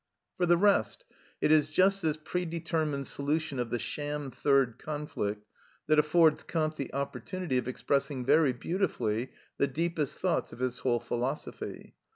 For the rest, it is just this predetermined solution of the sham third conflict that affords Kant the opportunity of expressing very beautifully the deepest thoughts of his whole philosophy.